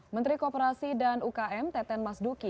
menteri kooperasi dan ukm teten mas duki